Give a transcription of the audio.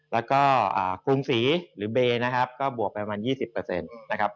แล้วก็กรุงศรีหรือเบนะครับก็บวกไปประมาณ๒๐นะครับ